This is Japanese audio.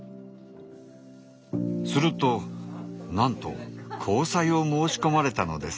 するとなんと交際を申し込まれたのです。